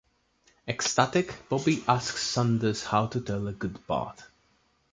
Ecstatic, Bobby asks Sanders how to tell a good part.